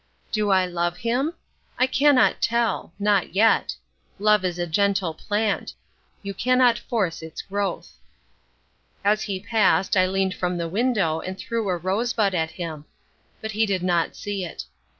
Do I love him? I cannot tell. Not yet. Love is a gentle plant. You cannot force its growth. As he passed I leaned from the window and threw a rosebud at him. But he did not see it.